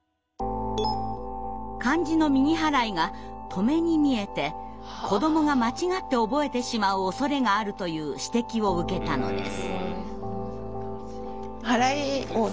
漢字の「右はらい」が「とめ」に見えて子どもが間違って覚えてしまうおそれがあるという指摘を受けたのです。